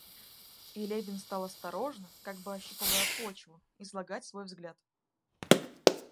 И Левин стал осторожно, как бы ощупывая почву, излагать свой взгляд.